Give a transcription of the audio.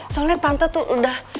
soalnya tante tuh udah